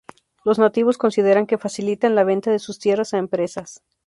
Los nativos consideran que facilitan la venta de sus tierras a empresas.